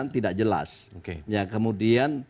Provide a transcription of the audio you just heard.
tidak jelas ya kemudian